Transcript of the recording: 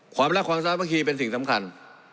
ความลักษณะความสามารถเมื่อกี้เป็นสิ่งสำคัญ